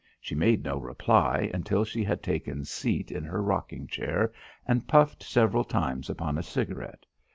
She made no reply until she had taken seat in her rocking chair and puffed several times upon a cigarette.